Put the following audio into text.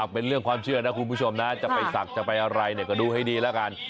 เป็นเรื่องความเชื่อนะคุณผู้ชมนะจะไปศักดิ์จะไปอะไรเนี่ยก็ดูให้ดีแล้วกัน